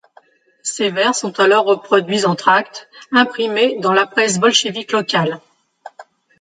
Ses vers sont alors reproduits en tracts, imprimés dans la presse bolchévique locale.